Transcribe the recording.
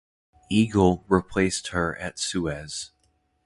"Eagle" replaced her at Suez.